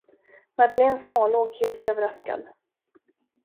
Madeleine smålog helt överraskad.